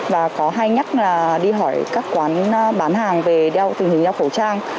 và có hay nhắc là đi hỏi các quán bán hàng về đeo tình hình đeo khẩu trang